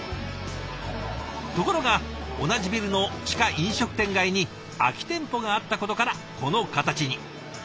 ところが同じビルの地下飲食店街に空き店舗があったことからこの形に。